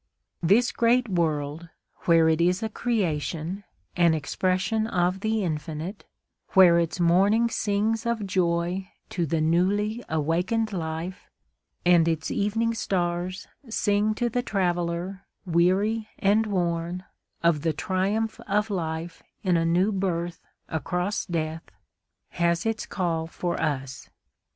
This great world, where it is a creation, an expression of the infinite—where its morning sings of joy to the newly awakened life, and its evening stars sing to the traveller, weary and worn, of the triumph of life in a new birth across death,—has its call for us.